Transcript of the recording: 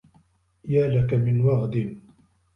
يا لك من وغد.